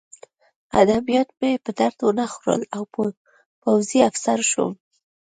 ادبیات مې په درد ونه خوړل او پوځي افسر شوم